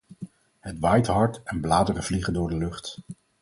Het waait hard en bladeren vliegen door de lucht.